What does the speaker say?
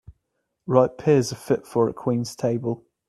Ripe pears are fit for a queen's table.